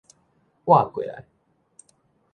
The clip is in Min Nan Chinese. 倚--過-來